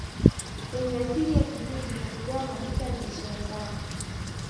wenye asili ya Kihindi na kugawa maduka na biashara zao